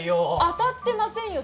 当たってませんよ